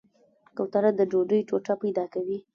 کوتره د ډوډۍ ټوټه پیدا کوي.